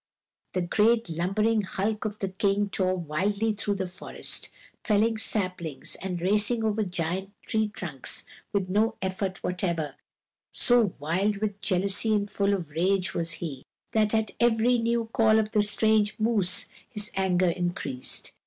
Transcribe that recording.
The great lumbering hulk of the King tore wildly through the forest, felling saplings, and racing over giant tree trunks with no effort whatever, so wild with jealousy and full of rage was he, and at every new call of the strange moose his anger increased.